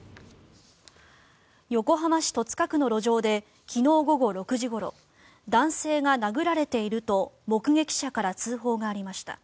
横浜市戸塚区の路上で昨日午後６時ごろ男性が殴られていると目撃者から通報がありました。